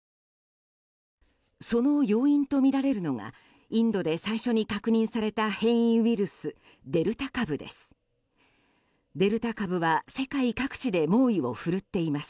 その要因とみられるのはインドで最初に確認された変異ウイルスデルタ株です。